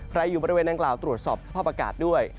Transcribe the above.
อยู่บริเวณดังกล่าวตรวจสอบสภาพอากาศด้วย